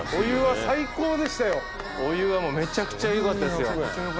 お湯はめちゃくちゃよかったですよ。